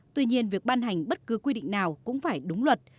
tuy nhiên việc ban hành bất cứ quy định nào cũng phải đúng luật